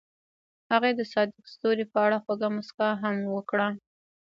هغې د صادق ستوري په اړه خوږه موسکا هم وکړه.